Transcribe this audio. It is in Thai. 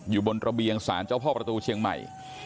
อยู่บนระเบียงศาลเจ้าพ่อประตูเชียงใหม่